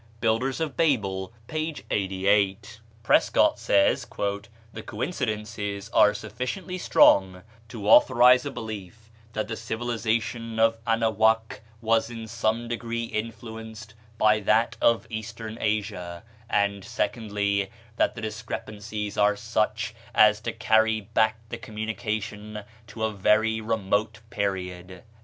'" ("Builders of Babel," p. 88.) Prescott says: "The coincidences are sufficiently strong to authorize a belief that the civilization of Anahuac was in some degree influenced by that of Eastern Asia; and, secondly, that the discrepancies are such as to carry back the communication to a very remote period."